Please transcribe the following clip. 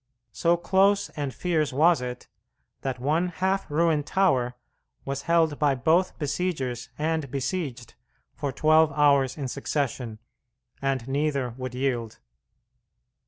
So close and fierce was it that one half ruined tower was held by both besiegers and besieged for twelve hours in succession, and neither would yield.